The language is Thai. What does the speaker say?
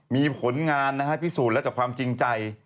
มีผลงานนะฮะพิสูจน์แล้วจากความจริงใจ